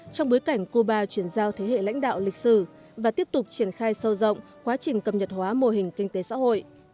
trong bối cảnh cuba chuyển giao thế hệ lãnh đạo lịch sử và tiếp tục triển khai sâu rộng quá trình cầm nhật hóa mô hình kinh tế xã hội